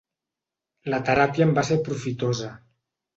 La teràpia em va ser profitosa.